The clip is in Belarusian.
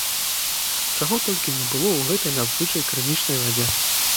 Чаго толькі не было ў гэтай надзвычай крынічнай вадзе.